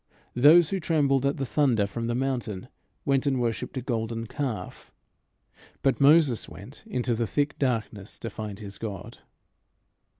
Those who trembled at the thunder from the mountain went and worshipped a golden calf; but Moses went into the thick darkness to find his God.